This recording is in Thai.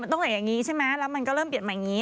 ต้องเปลี่ยนอย่างนี้ใช่ไหมแล้วมันก็เริ่มเปลี่ยนมาอย่างนี้